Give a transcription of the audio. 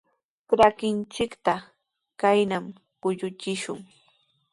Trakinchikta kaynaw kuyuchishun.